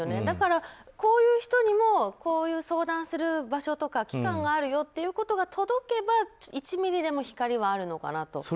だから、こういう人にもこういう相談する場所とか機関があるよということが響けば１ｍｍでも光はあるのかなと。